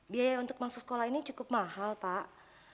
biaya untuk masuk sekolah ini cukup mahal pak